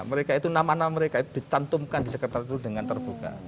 mereka itu nama nama mereka itu dicantumkan di sekretariat itu dengan terbuka